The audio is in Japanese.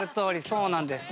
そうなんですね。